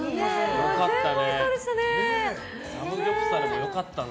よかったね。